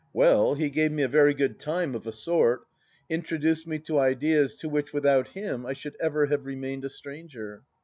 Well, he gave me a very good time, of a sort; introduced me to ideas to which without him I should ever have remained a stranger.